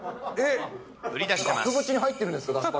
額縁に入ってるんですか？